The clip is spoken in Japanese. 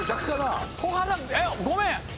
ごめん。